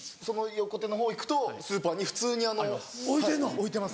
横手のほう行くとスーパーに普通に置いてます。